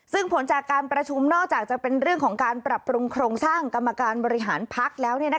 ซึ่งผลจากการประชุมนอกจากจะเป็นเรื่องของการปรับปรุงโครงสร้างกรรมการบริหารพักแล้ว